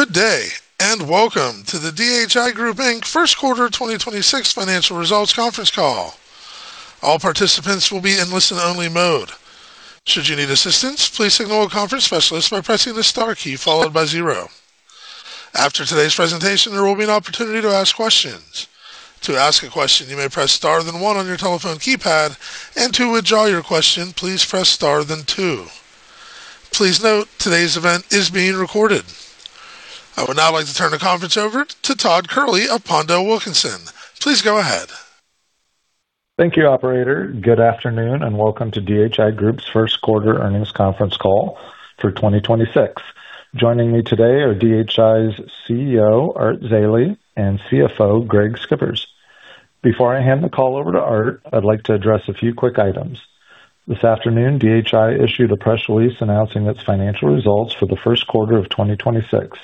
Good day, welcome to the DHI Group, Inc. First Quarter 2026 Financial Results Conference Call. All participants will be on listen only mode. Should you need assistance, please signal a conference specialist by pressing the star key followed by zero. After today's presentation, there will be an opportunity to ask questions. To ask questions, you ma press star then one on you telephone keypad and to withdraw you question, please press star then two. Please note today's event is being recorded. I would now like to turn the conference over to Todd Kehrli of PondelWilkinson. Please go ahead. Thank you, operator. Good afternoon, welcome to DHI Group's first quarter earnings conference call for 2026. Joining me today are DHI's CEO, Art Zeile, and CFO, Greg Schippers. Before I hand the call over to Art, I'd like to address a few quick items. This afternoon, DHI issued a press release announcing its financial results for the first quarter of 2026.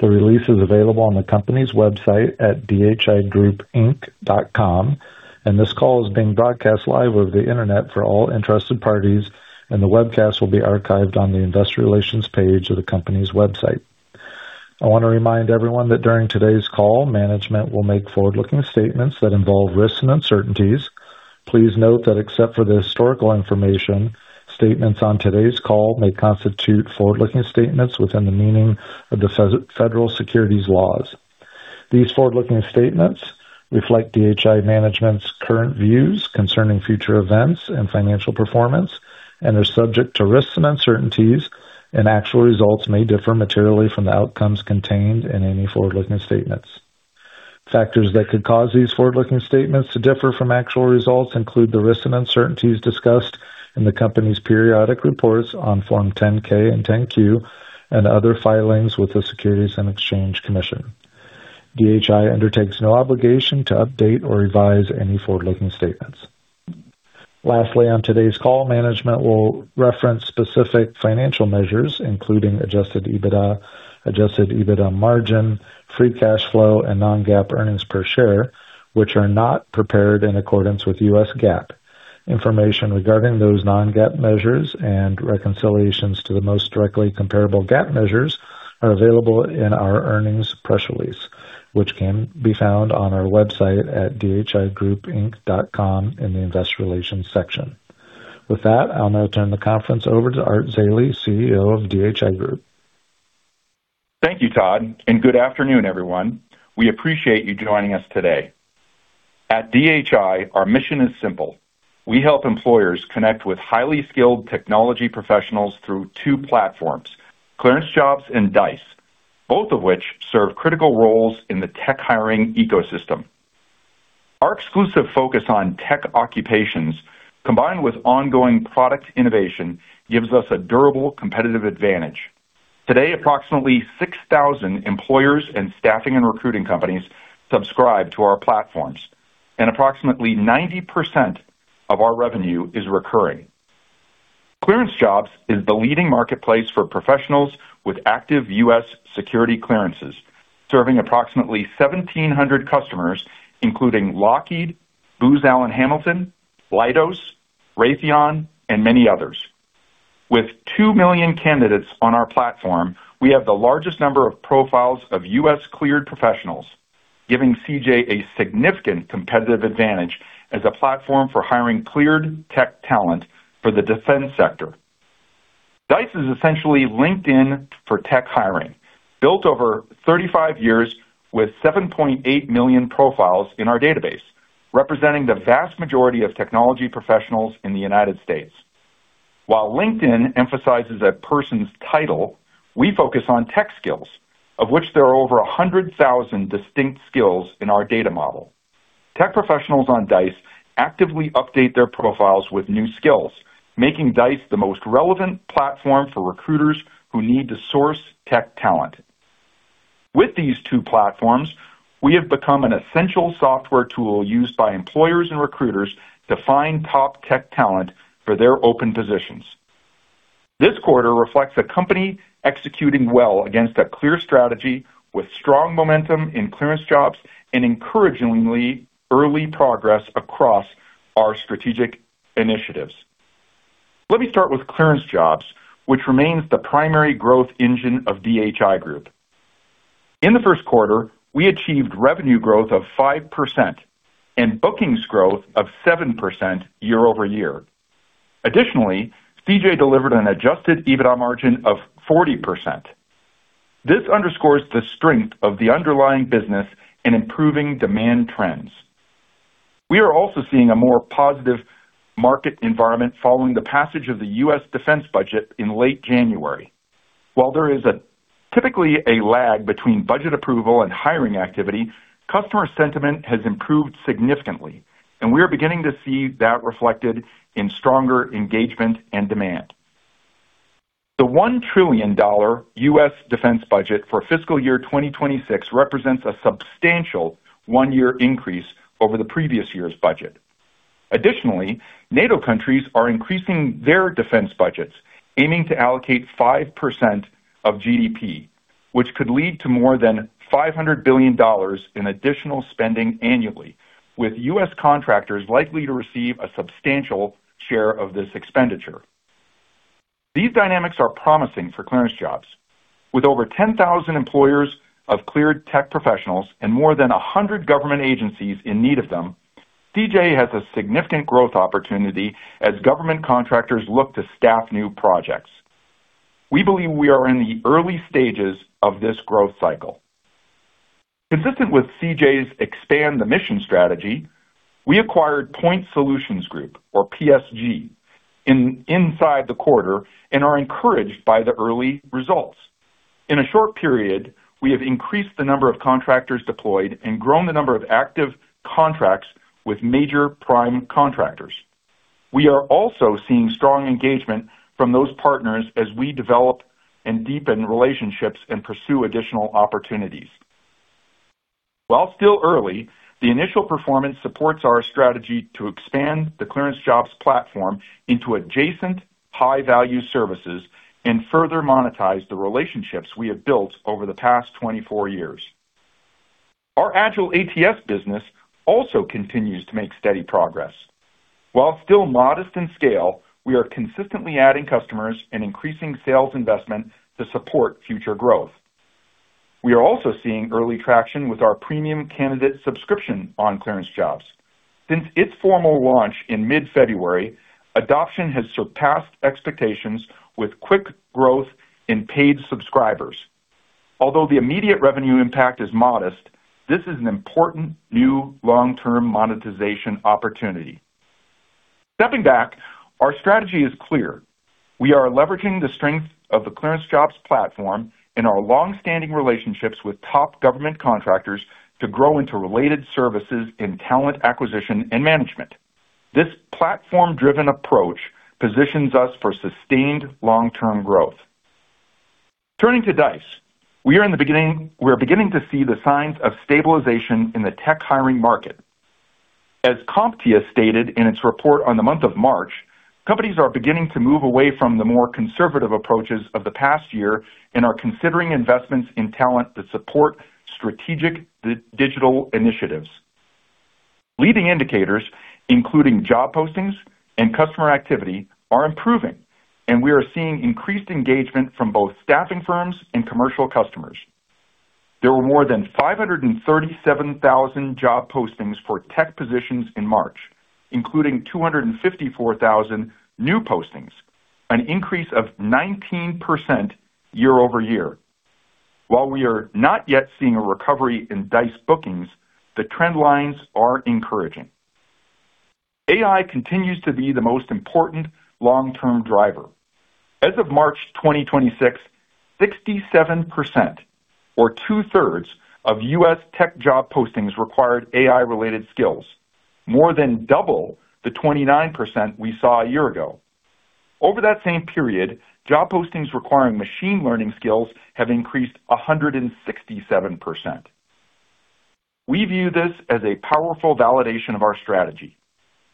The release is available on the company's website at dhigroupinc.com. This call is being broadcast live over the Internet for all interested parties, and the webcast will be archived on the investor relations page of the company's website. I want to remind everyone that during today's call, management will make forward-looking statements that involve risks and uncertainties. Please note that except for the historical information, statements on today's call may constitute forward-looking statements within the meaning of the federal securities laws. These forward-looking statements reflect DHI management's current views concerning future events and financial performance and are subject to risks and uncertainties. Actual results may differ materially from the outcomes contained in any forward-looking statements. Factors that could cause these forward-looking statements to differ from actual results include the risks and uncertainties discussed in the company's periodic reports on Form 10-K and 10-Q and other filings with the Securities and Exchange Commission. DHI undertakes no obligation to update or revise any forward-looking statements. Lastly, on today's call, management will reference specific financial measures including adjusted EBITDA, adjusted EBITDA margin, free cash flow, and non-GAAP earnings per share, which are not prepared in accordance with U.S. GAAP. Information regarding those non-GAAP measures and reconciliations to the most directly comparable GAAP measures are available in our earnings press release, which can be found on our website at dhigroupinc.com in the investor relations section. With that, I'll now turn the conference over to Art Zeile, CEO of DHI Group. Thank you, Todd, and good afternoon, everyone. We appreciate you joining us today. At DHI, our mission is simple. We help employers connect with highly skilled technology professionals through two platforms, ClearanceJobs and Dice, both of which serve critical roles in the tech hiring ecosystem. Our exclusive focus on tech occupations, combined with ongoing product innovation, gives us a durable competitive advantage. Today, approximately 6,000 employers and staffing and recruiting companies subscribe to our platforms, and approximately 90% of our revenue is recurring. ClearanceJobs is the leading marketplace for professionals with active U.S. security clearances, serving approximately 1,700 customers, including Lockheed, Booz Allen Hamilton, Leidos, Raytheon, and many others. With 2 million candidates on our platform, we have the largest number of profiles of U.S. cleared professionals, giving CJ a significant competitive advantage as a platform for hiring cleared tech talent for the defense sector. Dice is essentially LinkedIn for tech hiring, built over 35 years with 7.8 million profiles in our database, representing the vast majority of technology professionals in the United States. While LinkedIn emphasizes a person's title, we focus on tech skills, of which there are over 100,000 distinct skills in our data model. Tech professionals on Dice actively update their profiles with new skills, making Dice the most relevant platform for recruiters who need to source tech talent. With these two platforms, we have become an essential software tool used by employers and recruiters to find top tech talent for their open positions. This quarter reflects a company executing well against a clear strategy with strong momentum in ClearanceJobs and encouragingly early progress across our strategic initiatives. Let me start with ClearanceJobs, which remains the primary growth engine of DHI Group. In the first quarter, we achieved revenue growth of 5% and bookings growth of 7% year-over-year. Additionally, CJ delivered an adjusted EBITDA margin of 40%. This underscores the strength of the underlying business in improving demand trends. We are also seeing a more positive market environment following the passage of the U.S. defense budget in late January. While there is typically a lag between budget approval and hiring activity, customer sentiment has improved significantly, and we are beginning to see that reflected in stronger engagement and demand. The $1 trillion U.S. defense budget for fiscal year 2026 represents a substantial one-year increase over the previous year's budget. Additionally, NATO countries are increasing their defense budgets, aiming to allocate 5% of GDP, which could lead to more than $500 billion in additional spending annually, with U.S. contractors likely to receive a substantial share of this expenditure. These dynamics are promising for ClearanceJobs. With over 10,000 employers of cleared tech professionals and more than 100 government agencies in need of them, CJ has a significant growth opportunity as government contractors look to staff new projects. We believe we are in the early stages of this growth cycle. Consistent with CJ's Expand the Mission strategy, we acquired Point Solutions Group, or PSG, inside the quarter and are encouraged by the early results. In a short period, we have increased the number of contractors deployed and grown the number of active contracts with major prime contractors. We are also seeing strong engagement from those partners as we develop and deepen relationships and pursue additional opportunities. While still early, the initial performance supports our strategy to expand the ClearanceJobs platform into adjacent high-value services and further monetize the relationships we have built over the past 24 years. Our AgileATS business also continues to make steady progress. While still modest in scale, we are consistently adding customers and increasing sales investment to support future growth. We are also seeing early traction with our premium candidate subscription on ClearanceJobs. Since its formal launch in mid-February, adoption has surpassed expectations with quick growth in paid subscribers. Although the immediate revenue impact is modest, this is an important new long-term monetization opportunity. Stepping back, our strategy is clear. We are leveraging the strength of the ClearanceJobs platform and our long-standing relationships with top government contractors to grow into related services in talent acquisition and management. This platform-driven approach positions us for sustained long-term growth. Turning to Dice. We're beginning to see the signs of stabilization in the tech hiring market. As CompTIA stated in its report on the month of March, companies are beginning to move away from the more conservative approaches of the past year and are considering investments in talent that support strategic digital initiatives. Leading indicators, including job postings and customer activity, are improving, and we are seeing increased engagement from both staffing firms and commercial customers. There were more than 537,000 job postings for tech positions in March, including 254,000 new postings, an increase of 19% year-over-year. While we are not yet seeing a recovery in Dice bookings, the trend lines are encouraging. AI continues to be the most important long-term driver. As of March 2026, 67% or two-thirds of U.S. tech job postings required AI-related skills, more than double the 29% we saw a year ago. Over that same period, job postings requiring machine learning skills have increased 167%. We view this as a powerful validation of our strategy.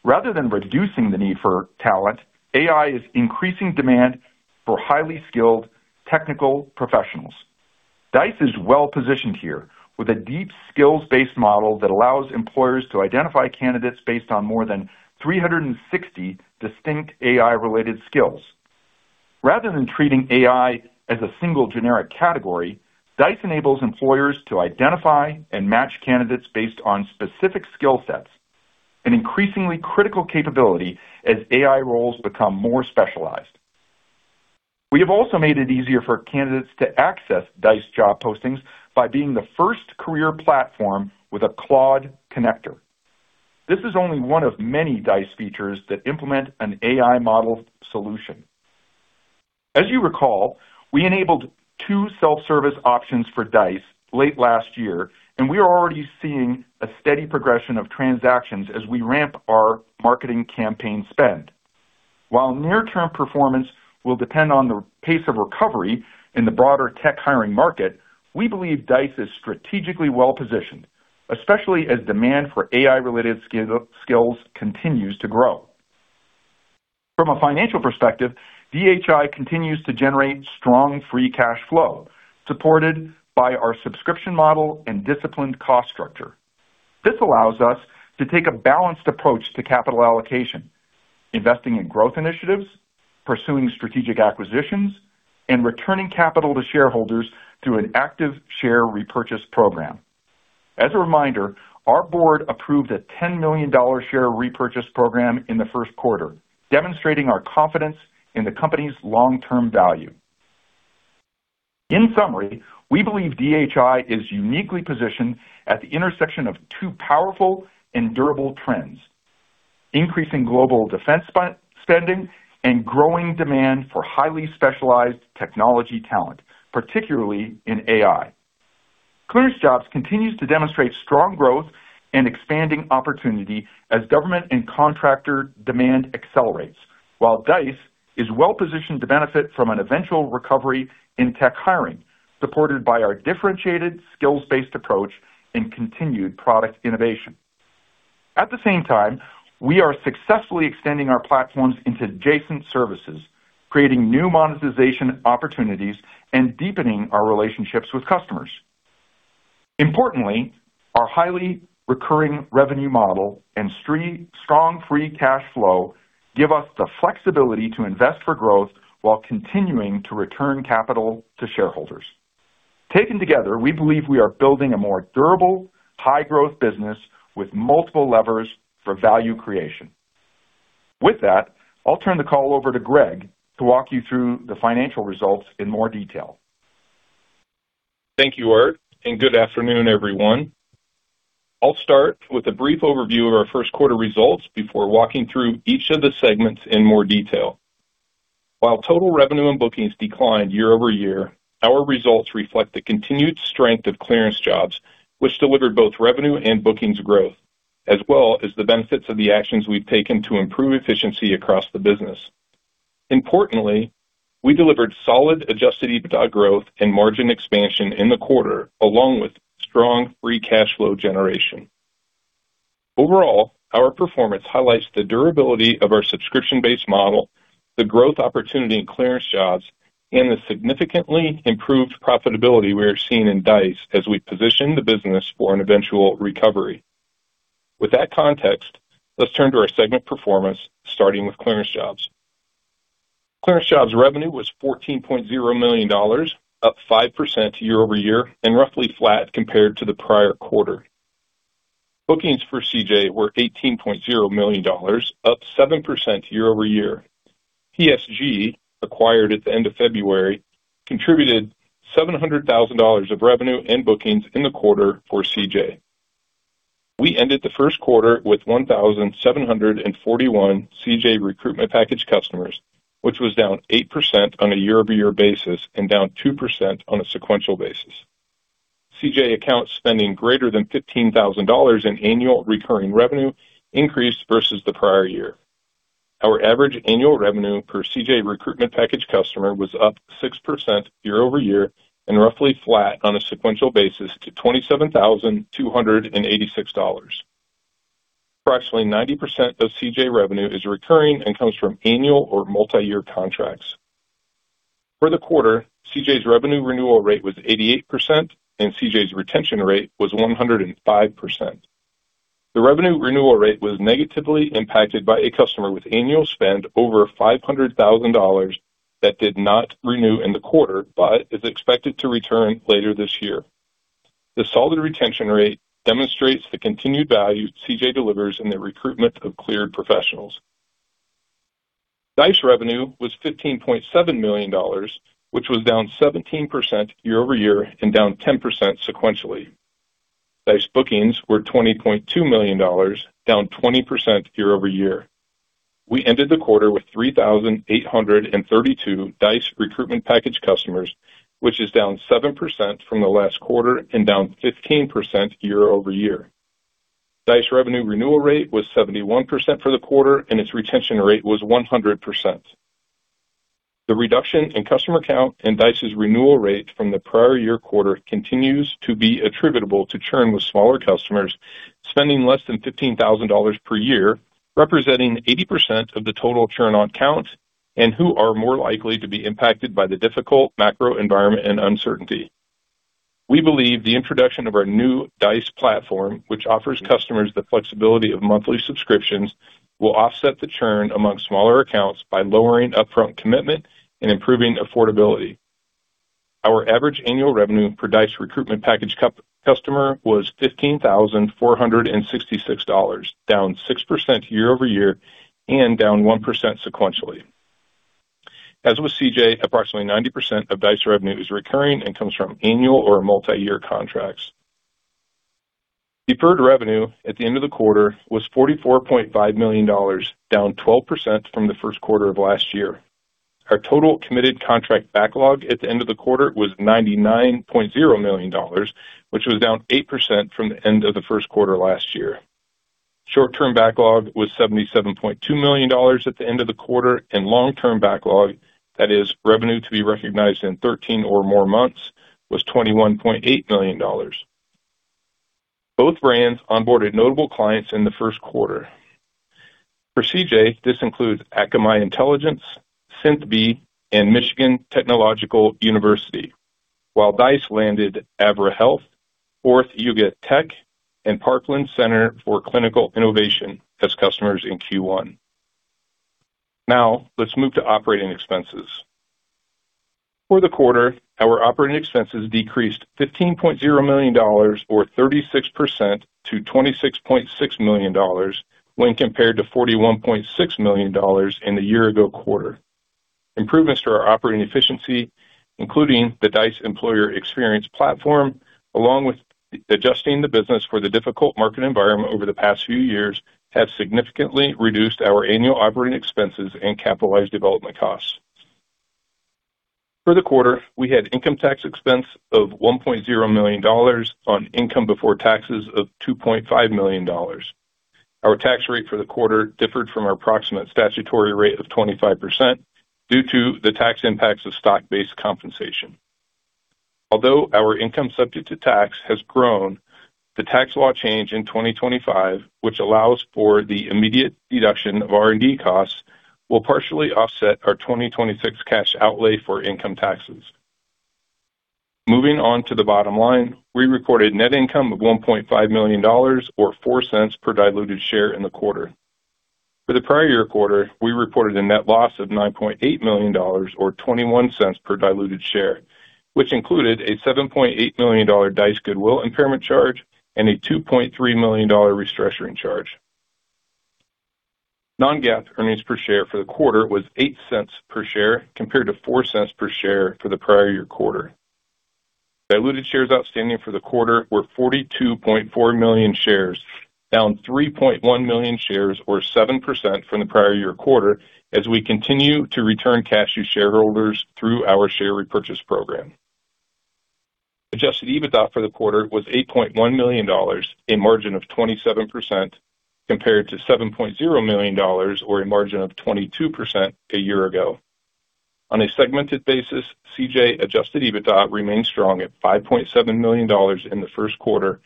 Rather than reducing the need for talent, AI is increasing demand for highly skilled technical professionals. Dice is well-positioned here with a deep skills-based model that allows employers to identify candidates based on more than 360 distinct AI-related skills. Rather than treating AI as a single generic category, Dice enables employers to identify and match candidates based on specific skill sets, an increasingly critical capability as AI roles become more specialized. We have also made it easier for candidates to access Dice job postings by being the first career platform with a Claude connector. This is only one of many Dice features that implement an AI model solution. As you recall, we enabled two self-service options for Dice late last year, and we are already seeing a steady progression of transactions as we ramp our marketing campaign spend. While near-term performance will depend on the pace of recovery in the broader tech hiring market, we believe Dice is strategically well-positioned, especially as demand for AI-related skills continues to grow. From a financial perspective, DHI continues to generate strong free cash flow, supported by our subscription model and disciplined cost structure. This allows us to take a balanced approach to capital allocation, investing in growth initiatives, pursuing strategic acquisitions, and returning capital to shareholders through an active share repurchase program. As a reminder, our board approved a $10 million share repurchase program in the first quarter, demonstrating our confidence in the company's long-term value. In summary, we believe DHI is uniquely positioned at the intersection of two powerful and durable trends: increasing global defense spending and growing demand for highly specialized technology talent, particularly in AI. ClearanceJobs continues to demonstrate strong growth and expanding opportunity as government and contractor demand accelerates, while Dice is well-positioned to benefit from an eventual recovery in tech hiring, supported by our differentiated skills-based approach and continued product innovation. At the same time, we are successfully extending our platforms into adjacent services, creating new monetization opportunities and deepening our relationships with customers. Importantly, our highly recurring revenue model and strong free cash flow give us the flexibility to invest for growth while continuing to return capital to shareholders. Taken together, we believe we are building a more durable, high-growth business with multiple levers for value creation. With that, I'll turn the call over to Greg to walk you through the financial results in more detail. Thank you, Art. Good afternoon, everyone. I'll start with a brief overview of our first quarter results before walking through each of the segments in more detail. While total revenue and bookings declined year-over-year, our results reflect the continued strength of ClearanceJobs, which delivered both revenue and bookings growth, as well as the benefits of the actions we've taken to improve efficiency across the business. Importantly, we delivered solid adjusted EBITDA growth and margin expansion in the quarter, along with strong free cash flow generation. Overall, our performance highlights the durability of our subscription-based model, the growth opportunity in ClearanceJobs, and the significantly improved profitability we are seeing in Dice as we position the business for an eventual recovery. With that context, let's turn to our segment performance, starting with ClearanceJobs. ClearanceJobs revenue was $14.0 million, up 5% year-over-year, and roughly flat compared to the prior quarter. Bookings for CJ were $18.0 million, up 7% year-over-year. PSG, acquired at the end of February, contributed $700,000 of revenue and bookings in the quarter for CJ. We ended the first quarter with 1,741 CJ Recruitment Package customers, which was down 8% on a year-over-year basis and down 2% on a sequential basis. CJ account spending greater than $15,000 in annual recurring revenue increased versus the prior year. Our average annual revenue per CJ Recruitment Package customer was up 6% year-over-year and roughly flat on a sequential basis to $27,286. Approximately 90% of CJ revenue is recurring and comes from annual or multi-year contracts. For the quarter, CJ's revenue renewal rate was 88%, and CJ's retention rate was 105%. The revenue renewal rate was negatively impacted by a customer with annual spend over $500,000 that did not renew in the quarter but is expected to return later this year. The solid retention rate demonstrates the continued value CJ delivers in the recruitment of cleared professionals. Dice revenue was $15.7 million, which was down 17% year-over-year and down 10% sequentially. Dice bookings were $20.2 million, down 20% year-over-year. We ended the quarter with 3,832 Dice recruitment package customers, which is down 7% from the last quarter and down 15% year-over-year. Dice revenue renewal rate was 71% for the quarter, and its retention rate was 100%. The reduction in customer count and Dice's renewal rate from the prior year quarter continues to be attributable to churn with smaller customers spending less than $15,000 per year, representing 80% of the total churn on count and who are more likely to be impacted by the difficult macro environment and uncertainty. We believe the introduction of our new Dice platform, which offers customers the flexibility of monthly subscriptions, will offset the churn amongst smaller accounts by lowering upfront commitment and improving affordability. Our average annual revenue per Dice recruitment package customer was $15,466, down 6% year-over-year and down 1% sequentially. As with CJ, approximately 90% of Dice revenue is recurring and comes from annual or multi-year contracts. Deferred revenue at the end of the quarter was $44.5 million, down 12% from the first quarter of last year. Our total committed contract backlog at the end of the quarter was $99.0 million, which was down 8% from the end of the first quarter last year. Short-term backlog was $77.2 million at the end of the quarter, and long-term backlog, that is revenue to be recognized in 13 or more months, was $21.8 million. Both brands onboarded notable clients in the first quarter. For CJ, this includes Akamai Intelligence, SynthB, and Michigan Technological University. While Dice landed Avera Health, Fourth Uget Tech, and Parkland Center for Clinical Innovation as customers in Q1. Let's move to operating expenses. For the quarter, our operating expenses decreased $15.0 million or 36% to $26.6 million when compared to $41.6 million in the year-ago quarter. Improvements to our operating efficiency, including the Dice Employer Experience Platform, along with adjusting the business for the difficult market environment over the past few years, have significantly reduced our annual operating expenses and capitalized development costs. For the quarter, we had income tax expense of $1.0 million on income before taxes of $2.5 million. Our tax rate for the quarter differed from our approximate statutory rate of 25% due to the tax impacts of stock-based compensation. Although our income subject to tax has grown, the tax law change in 2025, which allows for the immediate deduction of R&D costs will partially offset our 2026 cash outlay for income taxes. Moving on to the bottom line, we reported net income of $1.5 million or $0.04 per diluted share in the quarter. For the prior year quarter, we reported a net loss of $9.8 million or $0.21 per diluted share, which included a $7.8 million Dice goodwill impairment charge and a $2.3 million restructuring charge. Non-GAAP earnings per share for the quarter was $0.08 per share compared to $0.04 per share for the prior year quarter. Diluted shares outstanding for the quarter were 42.4 million shares, down 3.1 million shares or 7% from the prior year quarter as we continue to return cash to shareholders through our share repurchase program. adjusted EBITDA for the quarter was $8.1 million, a margin of 27% compared to $7.0 million or a margin of 22% a year ago. On a segmented basis, CJ adjusted EBITDA remains strong at $5.7 million in the first quarter,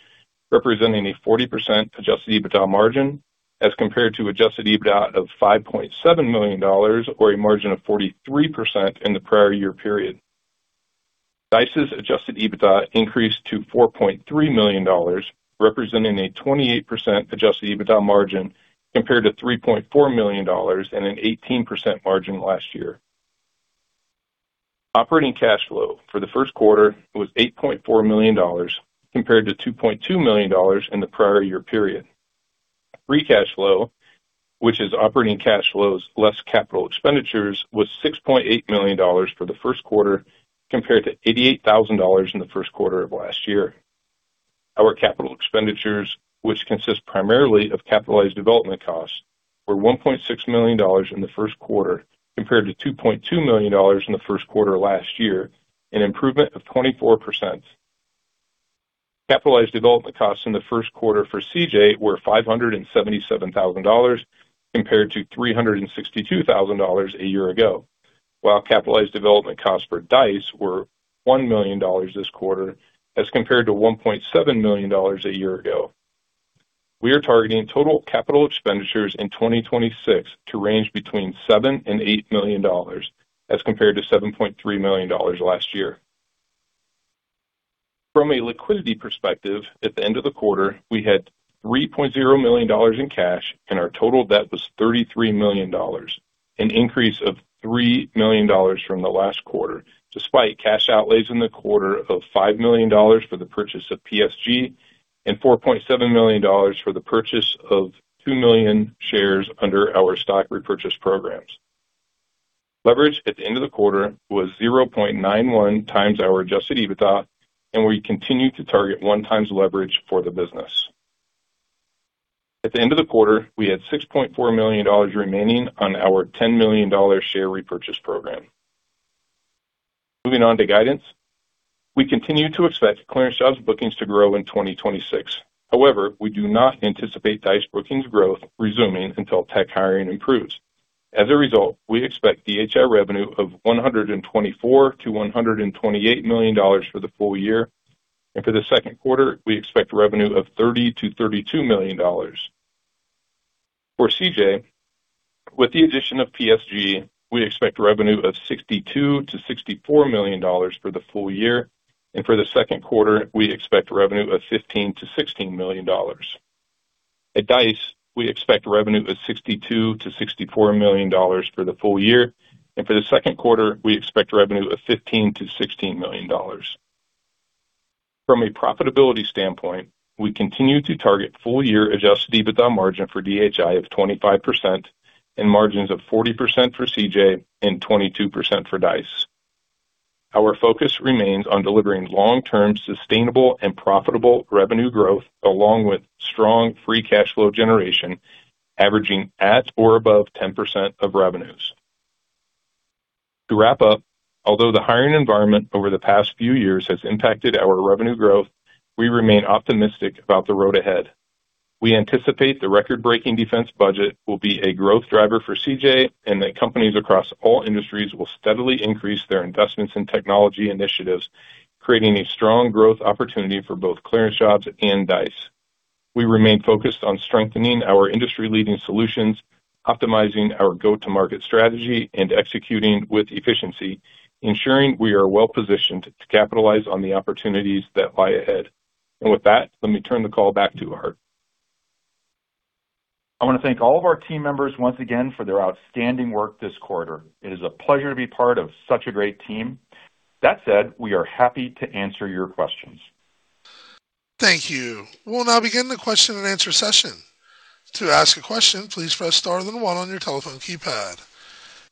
representing a 40% adjusted EBITDA margin as compared to adjusted EBITDA of $5.7 million or a margin of 43% in the prior year period. Dice's adjusted EBITDA increased to $4.3 million, representing a 28% adjusted EBITDA margin compared to $3.4 million and an 18% margin last year. Operating cash flow for the first quarter was $8.4 million compared to $2.2 million in the prior year period. Free cash flow, which is operating cash flows less capital expenditures, was $6.8 million for the first quarter compared to $88,000 in the first quarter of last year. Our capital expenditures, which consist primarily of capitalized development costs, were $1.6 million in the first quarter compared to $2.2 million in the first quarter last year, an improvement of 24%. Capitalized development costs in the first quarter for CJ were $577,000 compared to $362,000 a year ago. While capitalized development costs for Dice were $1 million this quarter as compared to $1.7 million a year ago. We are targeting total capital expenditures in 2026 to range between $7 million and $8 million as compared to $7.3 million last year. From a liquidity perspective, at the end of the quarter, we had $3.0 million in cash, and our total debt was $33 million, an increase of $3 million from the last quarter, despite cash outlays in the quarter of $5 million for the purchase of PSG and $4.7 million for the purchase of 2 million shares under our stock repurchase programs. Leverage at the end of the quarter was 0.91x our adjusted EBITDA, and we continue to target 1x leverage for the business. At the end of the quarter, we had $6.4 million remaining on our $10 million share repurchase program. Moving on to guidance. We continue to expect ClearanceJobs bookings to grow in 2026. However, we do not anticipate Dice bookings growth resuming until tech hiring improves. As a result, we expect DHI revenue of $124 million-$128 million for the full year. For the second quarter, we expect revenue of $30 million-$32 million. For CJ, with the addition of PSG, we expect revenue of $62 million-$64 million for the full year. For the second quarter, we expect revenue of $15 million-$16 million. At Dice, we expect revenue of $62 million-$64 million for the full year. For the second quarter, we expect revenue of $15 million-$16 million. From a profitability standpoint, we continue to target full-year adjusted EBITDA margin for DHI of 25% and margins of 40% for CJ and 22% for Dice. Our focus remains on delivering long-term sustainable and profitable revenue growth along with strong free cash flow generation, averaging at or above 10% of revenues. To wrap up, although the hiring environment over the past few years has impacted our revenue growth, we remain optimistic about the road ahead. We anticipate the record-breaking defense budget will be a growth driver for CJ, and that companies across all industries will steadily increase their investments in technology initiatives, creating a strong growth opportunity for both ClearanceJobs and Dice. We remain focused on strengthening our industry-leading solutions, optimizing our go-to-market strategy, and executing with efficiency, ensuring we are well-positioned to capitalize on the opportunities that lie ahead. With that, let me turn the call back to Art. I want to thank all of our team members once again for their outstanding work this quarter. It is a pleasure to be part of such a great team. That said, we are happy to answer your questions. Thank you. We'll now begin the question and answer session. To ask a question, please press star then one on your telephone keypad.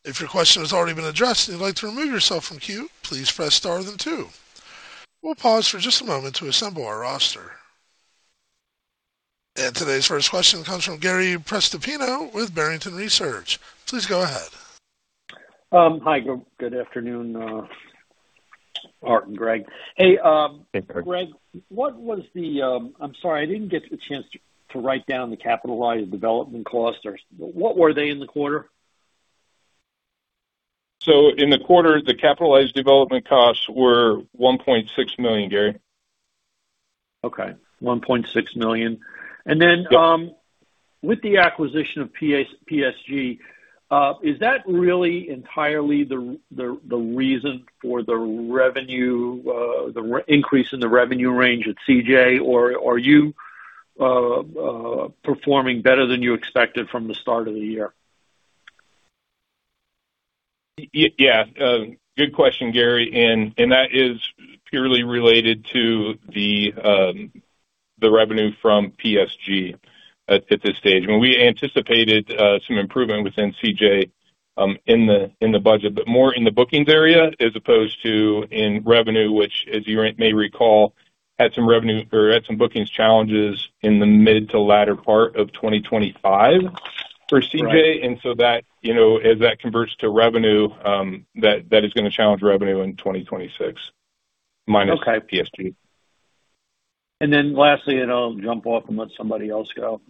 If your question has already been addressed and you'd like to remove yourself from queue, please press star then two. We'll pause for just a moment to assemble our roster. Today's first question comes from Gary Prestopino with Barrington Research. Please go ahead. Hi, good afternoon, Art and Greg. Hey. Hey, Gary. Greg, what was the, I'm sorry, I didn't get the chance to write down the capitalized development costs or what were they in the quarter? In the quarter, the capitalized development costs were $1.6 million, Gary. Okay. $1.6 million. Yeah. Then, with the acquisition of PSG, is that really entirely the reason for the revenue increase in the revenue range at CJ? Or are you performing better than you expected from the start of the year? Yeah. Good question, Gary, and that is purely related to the revenue from PSG at this stage, when we anticipated some improvement within CJ in the budget, but more in the bookings area as opposed to in revenue, which as you may recall, had some revenue or had some bookings challenges in the mid to latter part of 2025 for CJ. Right. That, you know, as that converts to revenue, that is gonna challenge revenue in 2026. Okay. -PSG. Lastly, I'll jump off and let somebody else go.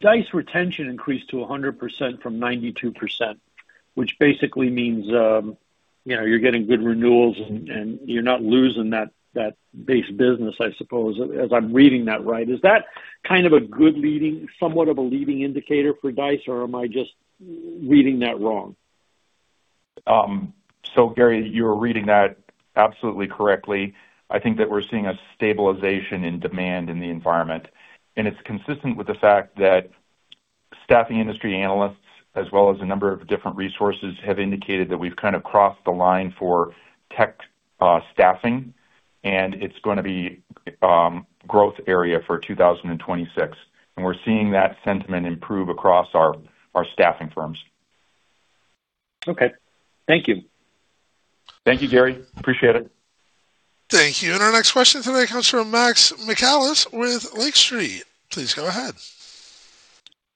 Dice retention increased to 100% from 92%, which basically means, you know, you're getting good renewals and you're not losing that base business, I suppose, as I'm reading that right. Is that kind of a good somewhat of a leading indicator for Dice, or am I just reading that wrong? Gary, you're reading that absolutely correctly. I think that we're seeing a stabilization in demand in the environment, and it's consistent with the fact that staffing industry analysts, as well as a number of different resources, have indicated that we've kind of crossed the line for tech staffing, and it's gonna be growth area for 2026. We're seeing that sentiment improve across our staffing firms. Okay. Thank you. Thank you, Gary. Appreciate it. Thank you. Our next question today comes from Max Michaelis with Lake Street. Please go ahead.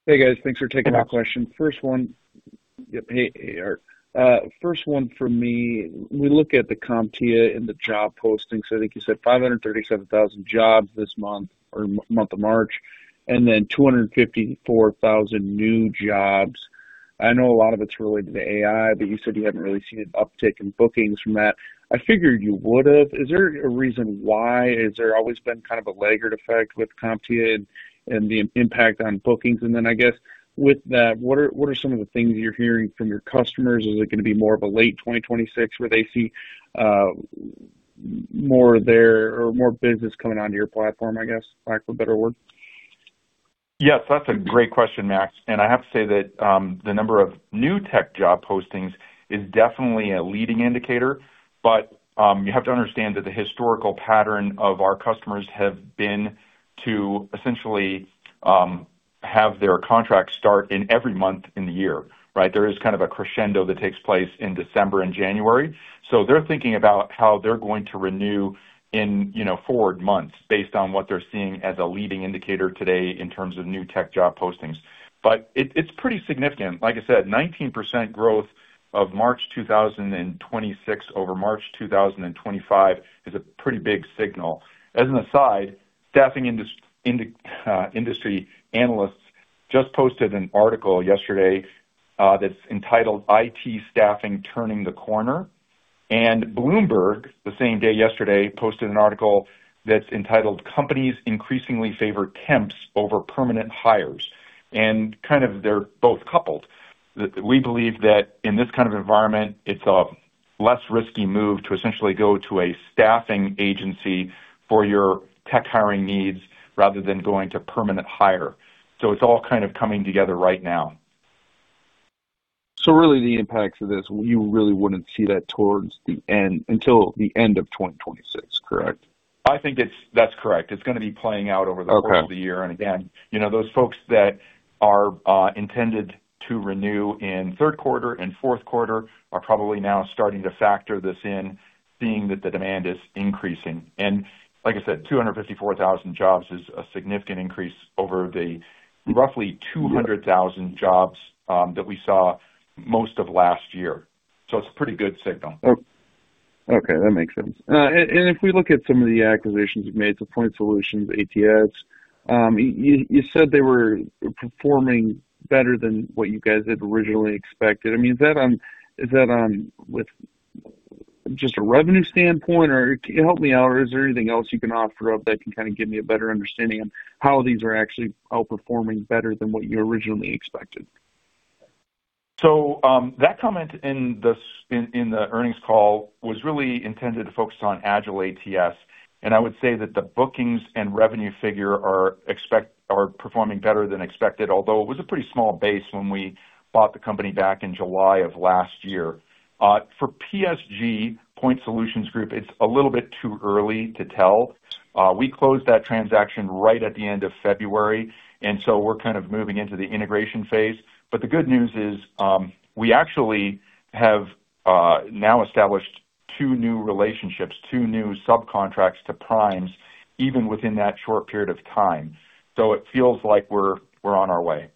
Hey, guys. Thanks for taking my question. First one. Yep. Hey, Art. First one for me. We look at the CompTIA and the job postings. I think you said 537,000 jobs this month or month of March, 254,000 new jobs. I know a lot of it's related to AI, but you said you hadn't really seen an uptick in bookings from that. I figured you would've. Is there a reason why? Is there always been kind of a laggard effect with CompTIA and the impact on bookings? I guess with that, what are some of the things you're hearing from your customers? Is it gonna be more of a late 2026 where they see more there or more business coming onto your platform, I guess, lack of a better word? Yes. That's a great question, Max, I have to say that the number of new tech job postings is definitely a leading indicator. You have to understand that the historical pattern of our customers have been to essentially have their contracts start in every month in the year, right? There is kind of a crescendo that takes place in December and January. They're thinking about how they're going to renew in, you know, forward months based on what they're seeing as a leading indicator today in terms of new tech job postings. It's pretty significant. Like I said, 19% growth of March 2026 over March 2025 is a pretty big signal. As an aside, staffing industry analysts just posted an article yesterday that's entitled IT Staffing Turning the Corner. Bloomberg, the same day yesterday, posted an article that's entitled Companies Increasingly Favor Temps Over Permanent Hires. Kind of they're both coupled. We believe that in this kind of environment, it's a less risky move to essentially go to a staffing agency for your tech hiring needs rather than going to permanent hire. It's all kind of coming together right now. Really the impacts of this, you really wouldn't see that towards the end, until the end of 2026, correct? I think that's correct. It's going to be playing out over the course of the year. Okay. Again, you know, those folks that are intended to renew in third quarter and fourth quarter are probably now starting to factor this in, seeing that the demand is increasing. Like I said, 254,000 jobs is a significant increase over the roughly 200,000 jobs that we saw most of last year. It's a pretty good signal. Okay, that makes sense. If we look at some of the acquisitions you've made, so Point Solutions, ATS, you said they were performing better than what you guys had originally expected. I mean, is that on with just a revenue standpoint? Or help me out. Is there anything else you can offer up that can kind of give me a better understanding on how these are actually outperforming better than what you originally expected? That comment in the earnings call was really intended to focus on AgileATS, and I would say that the bookings and revenue figure are performing better than expected, although it was a pretty small base when we bought the company back in July of last year. For PSG, Point Solutions Group, it's a little bit too early to tell. We closed that transaction right at the end of February, and so we're kind of moving into the integration phase. The good news is, we actually have now established two new relationships, two new subcontracts to primes, even within that short period of time. It feels like we're on our way.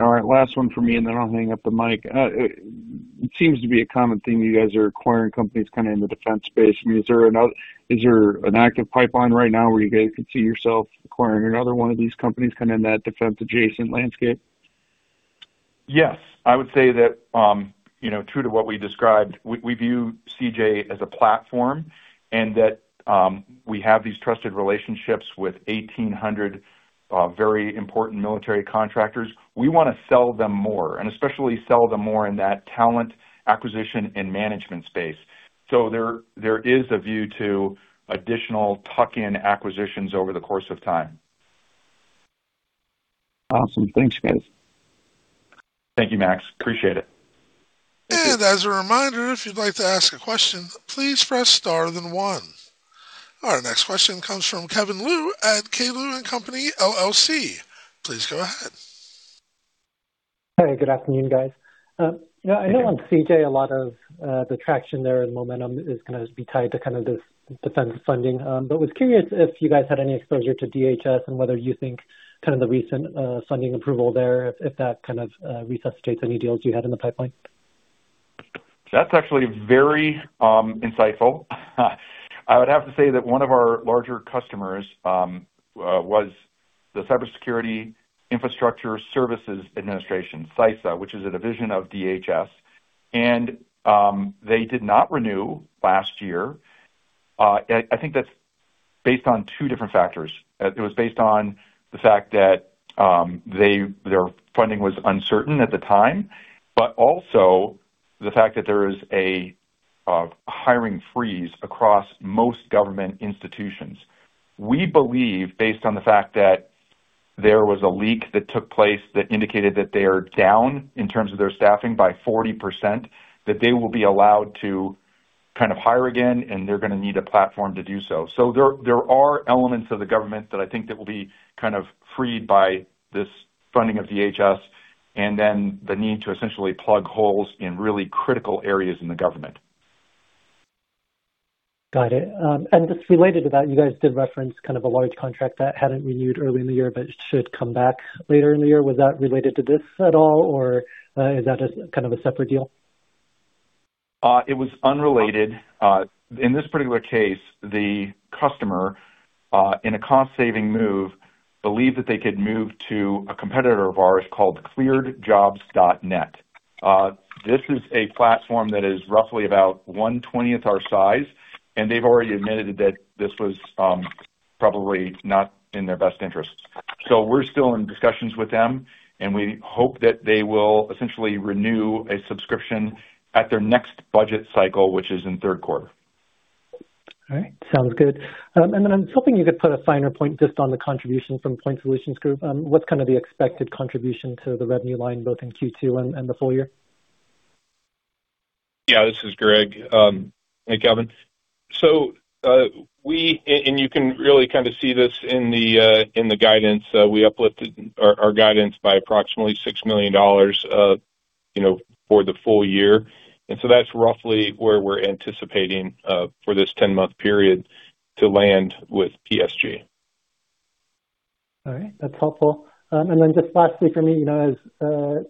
All right, last one for me, and then I'll hang up the mic. It seems to be a common theme you guys are acquiring companies kind of in the defense space. I mean, is there an active pipeline right now where you guys could see yourself acquiring another one of these companies kind of in that defense-adjacent landscape? Yes, I would say that, you know, true to what we described, we view CJ as a platform and that, we have these trusted relationships with 1,800 very important military contractors. We wanna sell them more, and especially sell them more in that talent acquisition and management space. There is a view to additional tuck-in acquisitions over the course of time. Awesome. Thanks, guys. Thank you, Max. Appreciate it. As a reminder, if you'd like to ask a question, please press star then one. Our next question comes from Kevin Liu at K. Liu & Company LLC. Please go ahead. Hey, good afternoon, guys. Yeah, I know on CJ a lot of the traction there and momentum is gonna be tied to kind of this defense funding. Was curious if you guys had any exposure to DHS and whether you think kind of the recent funding approval there, if that kind of resuscitates any deals you had in the pipeline. That's actually very insightful. I would have to say that one of our larger customers was the Cybersecurity and Infrastructure Security Agency, CISA, which is a division of DHS, and they did not renew last year. I think that's based on two different factors. It was based on the fact that their funding was uncertain at the time, but also the fact that there is a hiring freeze across most government institutions. We believe, based on the fact that there was a leak that took place that indicated that they are down in terms of their staffing by 40%, that they will be allowed to kind of hire again, and they're gonna need a platform to do so. There are elements of the government that I think that will be kind of freed by this funding of DHS, and then the need to essentially plug holes in really critical areas in the government. Got it. Just related to that, you guys did reference kind of a large contract that hadn't renewed early in the year but should come back later in the year. Was that related to this at all, is that a, kind of a separate deal? It was unrelated. In this particular case, the customer, in a cost-saving move, believed that they could move to a competitor of ours called ClearedJobs.Net. This is a platform that is roughly about 1/20 our size, and they've already admitted that this was probably not in their best interest. We're still in discussions with them, and we hope that they will essentially renew a subscription at their next budget cycle, which is in third quarter. All right. Sounds good. Then I'm hoping you could put a finer point just on the contribution from Point Solutions Group. What's kind of the expected contribution to the revenue line, both in Q2 and the full year? Yeah, this is Greg. Hey, Kevin. You can really kind of see this in the guidance. We uplifted our guidance by approximately $6 million, you know, for the full year. That's roughly where we're anticipating for this 10-month period to land with PSG. All right. That's helpful. Then just lastly from me, you know, as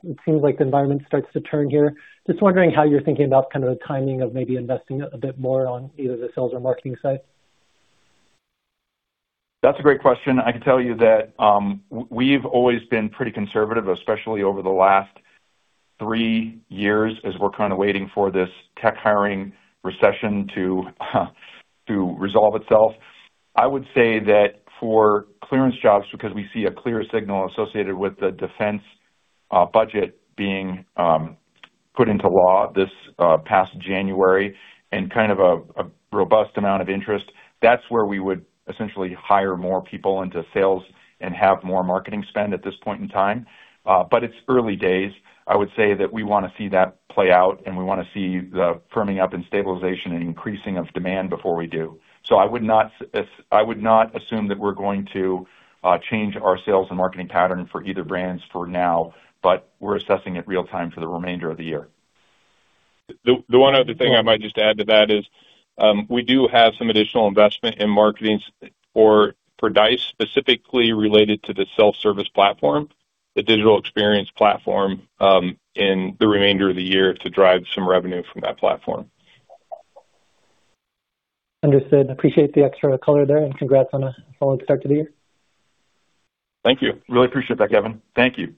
it seems like the environment starts to turn here, just wondering how you're thinking about kind of the timing of maybe investing a bit more on either the sales or marketing side. That's a great question. I can tell you that we've always been pretty conservative, especially over the last three years as we're kind of waiting for this tech hiring recession to resolve itself. I would say that for ClearanceJobs, because we see a clear signal associated with the defense budget being put into law this past January and kind of a robust amount of interest, that's where we would essentially hire more people into sales and have more marketing spend at this point in time. It's early days. I would say that we wanna see that play out, and we wanna see the firming up and stabilization and increasing of demand before we do. I would not assume that we're going to change our sales and marketing pattern for either brands for now, but we're assessing it real-time for the remainder of the year. The one other thing I might just add to that is, we do have some additional investment in marketing for Dice specifically related to the self-service platform, the digital experience platform, in the remainder of the year to drive some revenue from that platform. Understood. Appreciate the extra color there and congrats on a solid start to the year. Thank you. Really appreciate that, Kevin. Thank you.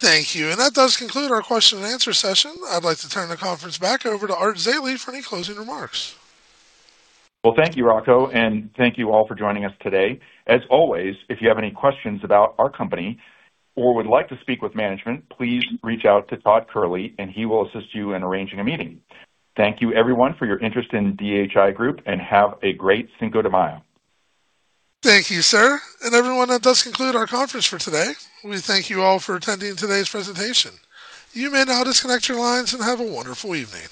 Thank you. That does conclude our question and answer session. I’d like to turn the conference back over to Art Zeile for any closing remarks. Well, thank you, Rocko, and thank you all for joining us today. As always, if you have any questions about our company or would like to speak with management, please reach out to Todd Kehrli, and he will assist you in arranging a meeting. Thank you, everyone, for your interest in DHI Group, and have a great Cinco de Mayo. Thank you, sir. Everyone, that does conclude our conference for today. We thank you all for attending today's presentation. You may now disconnect your lines and have a wonderful evening.